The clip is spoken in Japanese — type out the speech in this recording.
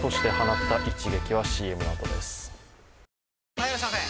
・はいいらっしゃいませ！